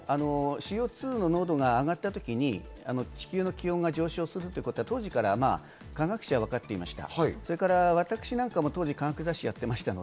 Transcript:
ＣＯ２の濃度が上がったときに地球の気温が上昇するというのは当時から科学者はわかっていました。